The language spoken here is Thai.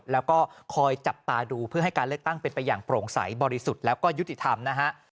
แล้วก็คอยจับตาดูเพื่อให้การเลือกตั้งเป็นไปอย่างโปร่งใสบริสุทธิ์แล้วก็ยุติธรรมนะฮะ